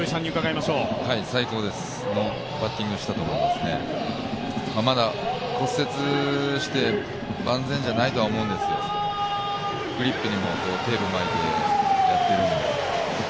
まだ骨折して万全じゃないと思うんですよ、グリップにもテープを巻いてやってるんで。